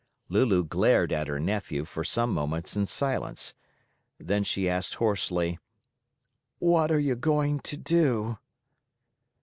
Lulu glared at her nephew for some moments in silence. Then she asked hoarsely: "What are you going to do?"